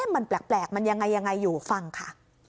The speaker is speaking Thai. มันแปลกมันยังไงยังไงอยู่ฟังค่ะ